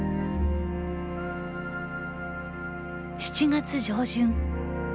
７月上旬。